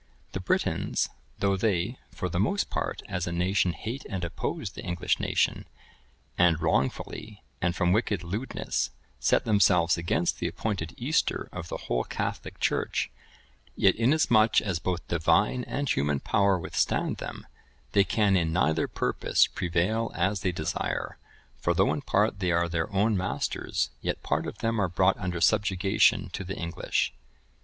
The Britons,(1029) though they, for the most part, as a nation hate and oppose the English nation, and wrongfully, and from wicked lewdness, set themselves against the appointed Easter of the whole Catholic Church; yet, inasmuch as both Divine and human power withstand them, they can in neither purpose prevail as they desire; for though in part they are their own masters, yet part of them are brought under subjection to the English.